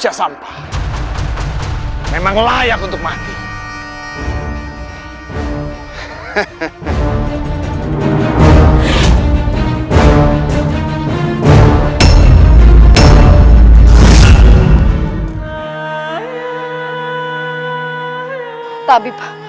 dia sudah matang sebelum dia membakar rotten american